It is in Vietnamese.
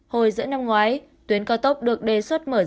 hồi giữa năm ngoái tuyến cao tốc được đề xuất mở rộng